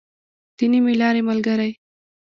د نيمې لارې ملګری.